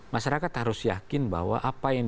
masyarakat harus yakin bahwa